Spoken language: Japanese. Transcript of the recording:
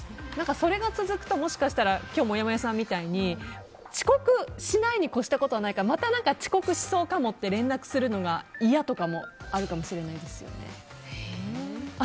それが続くと、もしかしたら今日のもやもやさんみたいに遅刻しないに越したことはないからまた遅刻しそうかもって連絡するのが嫌とかもあるかもしれないですよね。